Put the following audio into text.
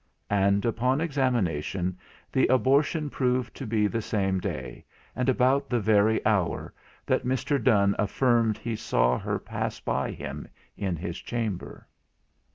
And, upon examination, the abortion proved to be the same day, and about the very hour, that Mr. Donne affirmed he saw her pass by him in his chamber.